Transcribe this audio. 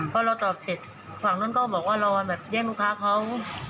พอเราตอบเสร็จฝั่งนั้นก็บอกว่ารอแบบแย่งลูกค้าเขา